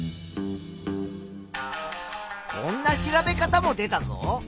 こんな調べ方も出たぞ。